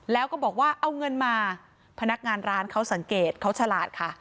แล้วก็บอกว่าเอาเงินมาพนักงานร้านเขาสังเกตเขาฉลาดค่ะ